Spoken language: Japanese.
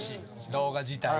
動画自体も。